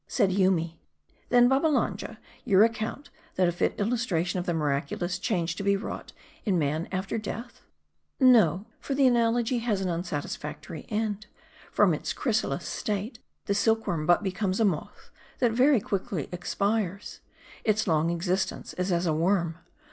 Said Yoomy, " 'Then, Babbalanja, you account that a fit illustration of the miraculous change to be wrought in man after death ?"" No ; for the analogy has an unsatisfactory end. From its chrysalis state, the silkworm but becomes a moth, that very quickly expires. Its longest existence is as a worm.